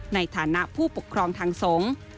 ในฐานะผู้ปกครองทางสงฆ์